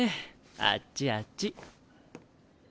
あっちあっち。